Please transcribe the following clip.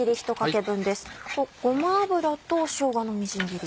ごま油としょうがのみじん切り。